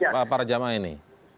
pak rajama ini